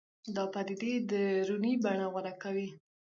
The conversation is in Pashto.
دا پدیدې دروني بڼه غوره کوي